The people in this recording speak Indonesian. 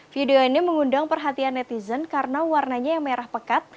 video ini mengundang perhatian netizen karena warnanya yang merah pekat